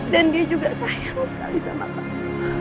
dan dia juga sayang sekali sama kamu